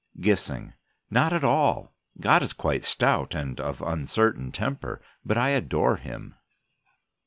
GISSING: Not at all. God is quite stout, and of uncertain temper, but I adore Him.